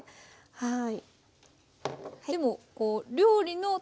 はい。